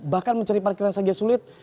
bahkan mencari parkiran saja sulit